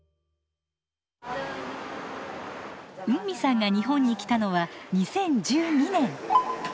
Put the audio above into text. ウンミさんが日本に来たのは２０１２年。